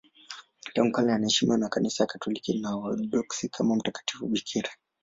Tangu kale anaheshimiwa na Kanisa Katoliki na Waorthodoksi kama mtakatifu bikira.